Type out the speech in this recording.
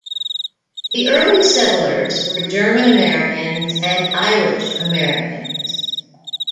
The early settlers were German-Americans and Irish-Americans.